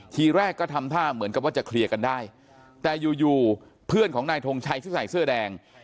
ทีแรกก็ทำท่าเหมือนกับว่าจะเคลียร์กันได้แต่อยู่อยู่เพื่อนของนายทงชัยที่ใส่เสื้อแดง